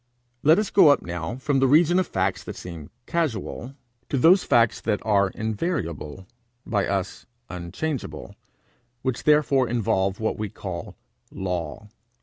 Let us go up now from the region of facts that seem casual, to those facts that are invariable, by us unchangeable, which therefore involve what we call law.